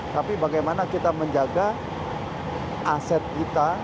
tapi bagaimana kita menjaga aset kita